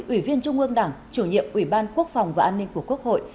ủy viên trung ương đảng chủ nhiệm ủy ban quốc phòng và an ninh của quốc hội